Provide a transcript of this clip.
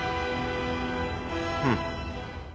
うん。